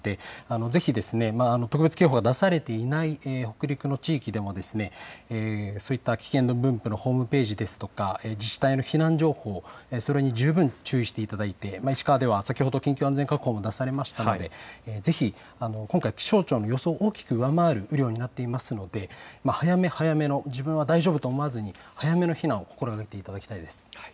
ぜひ、特別警報が出されていない北陸の地域でもそういった危険度分布のホームページですとか自治体の避難情報、それに十分注意していただいて石川では先ほど緊急安全確保も出されましたので今回は気象庁の予想を大きく上回る雨量になっていますので早め早めの避難を心がけていただきたいと思います。